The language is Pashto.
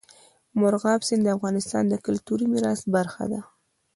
مورغاب سیند د افغانستان د کلتوري میراث برخه ده.